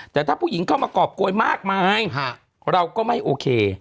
แต่ถ้าผู้หญิงเข้ามากรอบโกยมากมายเราก็ไม่โอเค